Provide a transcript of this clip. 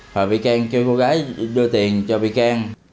rồi vị can kêu cô gái đưa tiền cho vị can